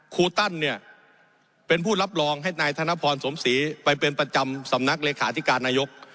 ครูตันเนี่ยเป็นผู้รับรองให้นายธนพรสมศรีไปเป็นประจำสำนักเลขาธิการนายก